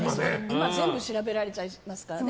今、全部調べられちゃいますからね。